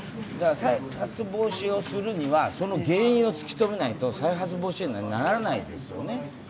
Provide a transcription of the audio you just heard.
再発防止をするには、その原因を突き止めないと再発防止にならないですよね。